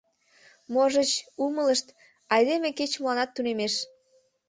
Можыч, умылышт: айдеме кеч-моланат тунемеш.